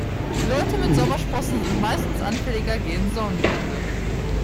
Leute mit Sommersprossen sind meistens anfälliger gegen Sonnenbrände.